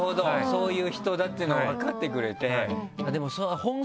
そういう人だっていうのを分かってくれて。